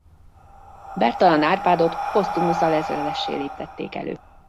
Bertalan Árpádot posztumusz alezredessé léptették elő.